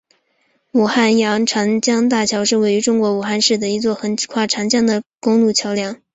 武汉阳逻长江大桥是位于中国武汉市的一座横跨长江的公路桥梁。